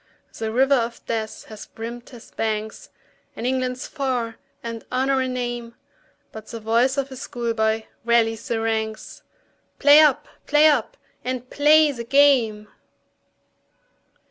The river of death has brimmed his banks, And England's far, and Honour a name, But the voice of schoolboy rallies the ranks, "Play up! play up! and play the game!"